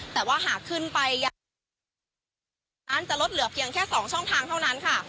แต่ว่าหากขึ้นไปอย่างนั้นจะลดเหลือเพียงแค่๒ช่องทางเท่านั้นค่ะ